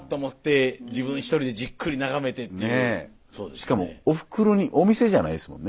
しかもおふくろにお店じゃないですもんね